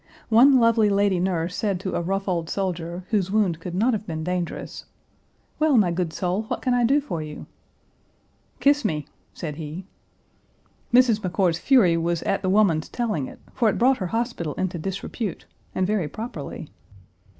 One lovely lady nurse said to a rough old soldier, whose wound could not have been dangerous, "Well, my good soul, what can I do for you?" "Kiss me!" said he. Mrs. McCord's fury was "at the woman's telling it," for it brought her hospital into disrepute, and very properly.